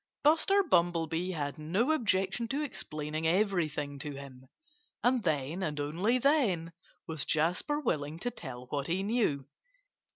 Buster Bumblebee had no objection to explaining everything to him. And then and only then was Jasper willing to tell what he knew.